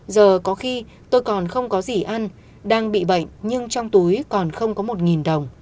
giờ có khi tôi còn không có gì ăn đang bị bệnh nhưng trong túi còn không có một đồng